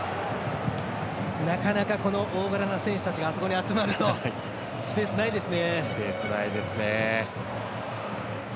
なかなか大柄な選手たちがあそこに集まるとスペースないですね。